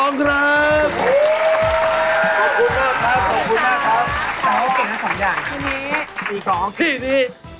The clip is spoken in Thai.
ขอบคุณมากครับขอบคุณมากครับ